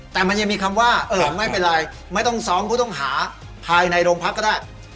แต่มันยังมีคำว่าเออไม่เป็นไรไม่ต้องซ้อมผู้ต้องหาภายในโรงพักก็ได้